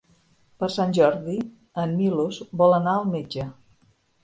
Per Sant Jordi en Milos vol anar al metge.